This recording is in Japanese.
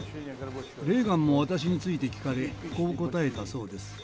レーガンも私について聞かれこう答えたそうです。